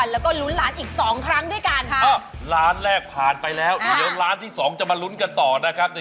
รออยู่นะยังมีโอกาสนะ